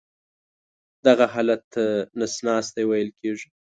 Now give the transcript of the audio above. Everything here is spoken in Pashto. دغه حالت ته نس ناستی ویل کېږي.